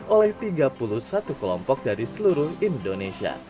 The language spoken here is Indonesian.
oleh tiga puluh satu kelompok dari seluruh indonesia